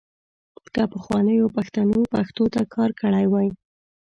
که پخوانیو پښتنو پښتو ته کار کړی وای .